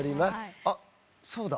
あっそうだ。